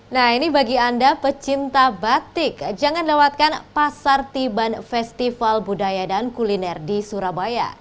nah ini bagi anda pecinta batik jangan lewatkan pasar tiban festival budaya dan kuliner di surabaya